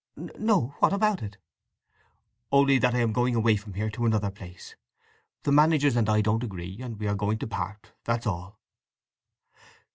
"No—what about it?" "Only that I am going away from here to another place. The managers and I don't agree, and we are going to part—that's all."